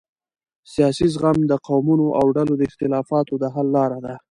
سیاسي زغم د قومونو او ډلو د اختلافاتو د حل لاره ده